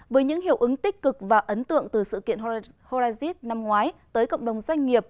với những hiệu ứng tích cực và ấn tượng từ sự kiện horacis năm ngoái tới cộng đồng doanh nghiệp